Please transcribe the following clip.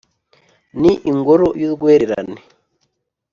ni ingoro y’urwererane